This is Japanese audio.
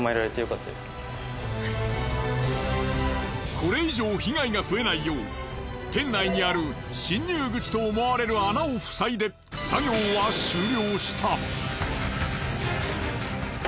これ以上被害が増えないよう店内にある侵入口と思われる穴を塞いで作業は終了した。